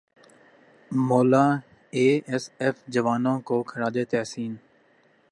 مولا A S F جوانوں کو خراج تحسین